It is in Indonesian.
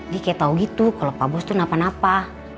dia kayak tau gitu kalau pak bos itu napa napa